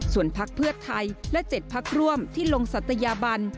ส่วนพักเพื่อไทยและ๗พักร่วมที่ลงศัตยาบัน